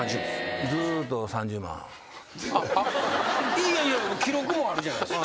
いやいや記録もあるじゃないですか。